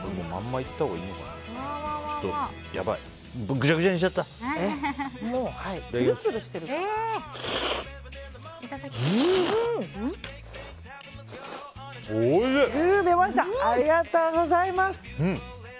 ありがとうございます！